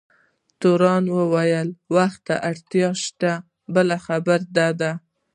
تورن وویل: بلي، وخت ته اړتیا شته، بله خبره دا ده.